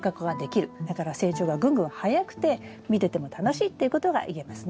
だから成長がぐんぐん早くて見てても楽しいっていうことが言えますね。